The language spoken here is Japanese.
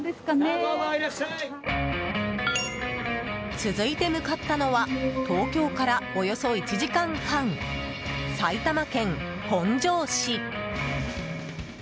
続いて向かったのは東京から、およそ１時間半埼玉県本庄市。